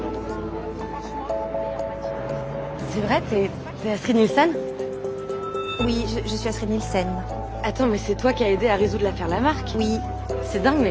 はい。